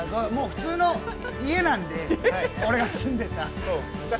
普通の家なんで、俺が住んでた。